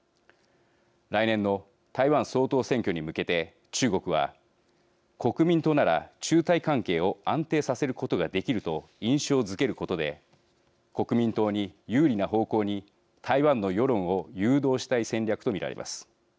来年の台湾総統選挙に向けて中国は国民党なら中台関係を安定させることができると印象づけることで国民党に有利な方向に台湾の世論を誘導したい戦略と見られます。